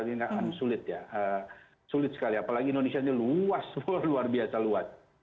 ini sulit ya sulit sekali apalagi indonesia ini luas luar biasa luas